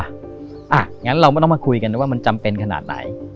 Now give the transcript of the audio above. อย่างนั้นเราไม่ต้องมาคุยกันนะว่ามันจำเป็นขนาดไหน